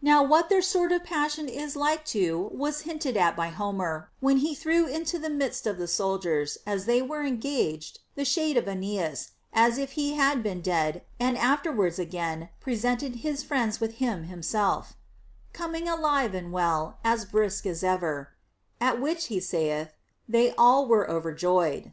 Now what their sort of passion is like to was hinted at by Homer, when he threw into the midst of the soldiers, as they were engaged, the shade of Aeneas, as if he had been dead, and afterwards again presented his friends with him himself, Coming alive and well, as brisk as ever, at which, he saith, They all were overjoyed.